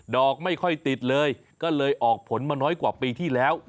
อกไม่ค่อยติดเลยก็เลยออกผลมาน้อยกว่าปีที่แล้ว